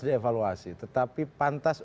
dievaluasi tetapi pantas